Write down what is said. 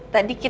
dan gw tiru gua